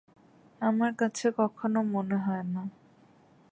আমার কাছে কখনো মনে হয় না।